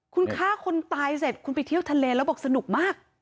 คุณฆ่าคนตายเสร็จคุณไปเที่ยวทะเลแล้วบอกสนุกมาก